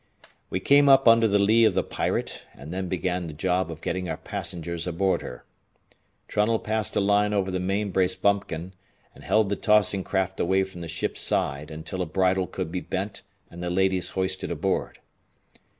We came up under the lee of the Pirate and then began the job of getting our passengers aboard her. Trunnell passed a line over the main brace bumpkin, and held the tossing craft away from the ship's side until a bridle could be bent and the ladies hoisted aboard.